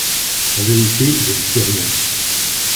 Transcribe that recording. En vérité, je ne sais rien.